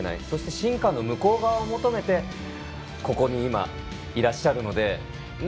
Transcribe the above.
そして、進化の向こう側を求めてここに今、いらっしゃるので。